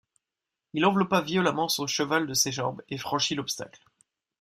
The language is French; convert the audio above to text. Il enveloppa violemment son cheval de ses jambes et franchit l'obstacle.